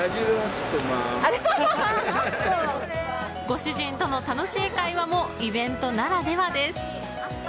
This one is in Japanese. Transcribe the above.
ご主人との楽しい会話もイベントならではです。